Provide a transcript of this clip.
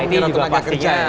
it juga pastinya